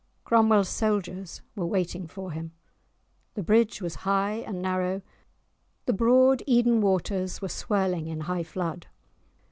Cromwell's soldiers were waiting for him; the bridge was high and narrow, the broad Eden waters were swirling in high flood.